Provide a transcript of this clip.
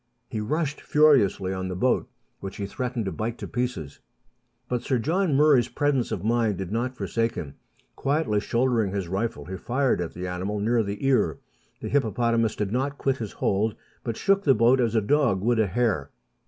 He rushed furiously on the boat, which he threatened to bite to pieces. But Sir John Murray's presence of mind did not forsake him. Quietly shouldering his rifle, he fired at the animal near the ear. The hippopotamus did not quit his hold, but shook the boat as a dog would a hare.